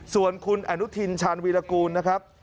ส่วนคุณอนุทินชาญวีรกูลนะครับ